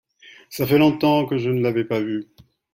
ça fait longtemps que je ne l'avais par vue.